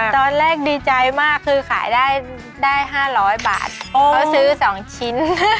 ตอนแรกดีใจมากคือขายได้๕๐๐บาทเขาซื้อ๒ชิ้น